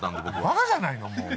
バカじゃないのもう。